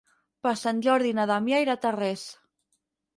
Per Sant Jordi na Damià irà a Tarrés.